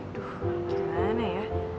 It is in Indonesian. aduh gimana ya